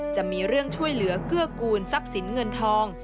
จะมีเรื่องช่วยเหลือเกื้อกูลทรัพย์สินเงินทอง